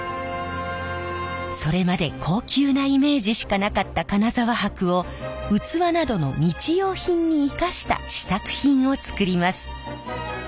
それまで高級なイメージしかなかった金沢箔を器などの日用品に生かした試作品を作ります。